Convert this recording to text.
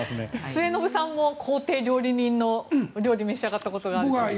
末延さんも公邸料理人の料理を召し上がったことがあると。